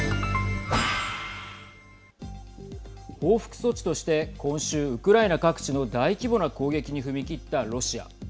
報復措置として今週ウクライナ各地の大規模な攻撃に踏み切ったロシア。